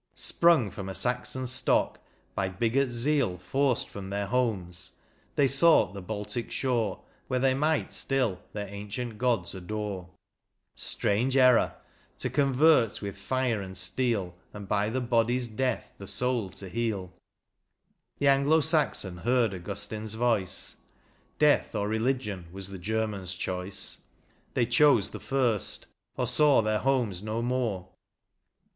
Sprung &om a Saxon stocky by bigot zeal Forced from their homes they sought the BaJtic shore, Where they might still their ancient gods adore ; Strange error ! to convert with fire and steel. And by the body's death the soul to heal ; The Anglo Saxon heard Augustine's voice. Death or religion was the German's choice, They chose the first ; or saw their homes no more.